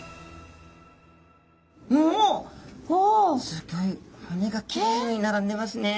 すギョい骨がきれいに並んでますね。